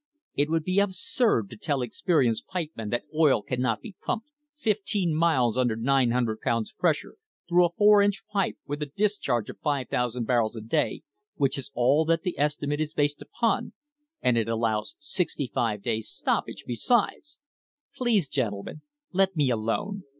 It would be absurd to tell experienced pipe men that oil cannot be pumped fifteen miles under 900 pounds pressure through a four inch pipe with a discharge of 5,000 barrels per day, which is all that the esti mate is based upon, and it allows sixty five days' stoppage besides. Please, gentlemen, let me alone.